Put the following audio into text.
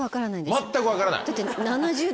全く分からない？だって。